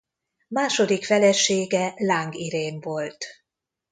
Második felesége Láng Irén volt.